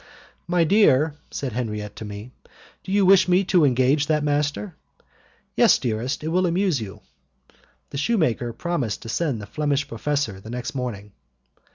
"My dear," said Henriette to me, "do you wish me to engage that master?" "Yes, dearest, it will amuse you." The shoemaker promised to send the Flemish professor the next morning.